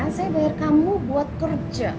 saya bayar kamu buat kerja